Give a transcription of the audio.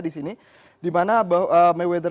di sini dimana mayweather